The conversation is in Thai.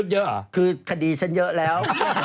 ชื่อย่อไหนชื่อย่อ